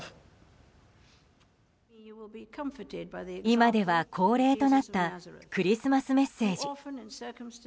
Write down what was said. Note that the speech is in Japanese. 今では恒例となったクリスマスメッセージ。